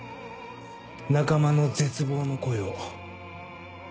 仲間の絶望の声を。